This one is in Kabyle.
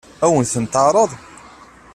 Ad wen-ten-teɛṛeḍ?